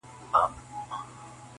له دوزخه د جنت مهمان را ووت ,